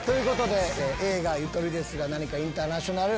映画『ゆとりですがなにかインターナショナル』。